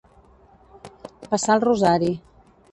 Passar el rosari.